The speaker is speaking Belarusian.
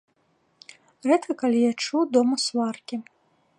Рэдка калі я чуў дома сваркі.